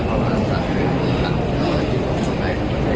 ก็ไม่เอาค่า